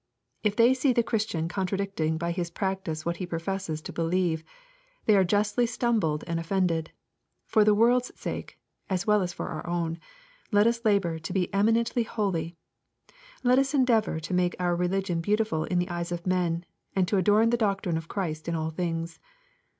If they see the Christian con tradicting by his practice what he professes to believe, they are justly stumbled and offended. For the world's sake, as well as for our own, let us labor to be eminently holy. Let us endeavor to make our religion beautiful in the eyes of men, and to adorn the doctrine of Christ in all things.